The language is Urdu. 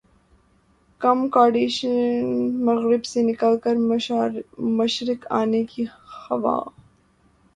کم کارڈیشین مغرب سے نکل کر مشرق انے کی خواہاں